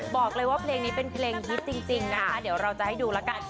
บอกเลยว่าเพลงนี้เป็นเพลงฮิตจริงนะคะเดี๋ยวเราจะให้ดูแล้วกัน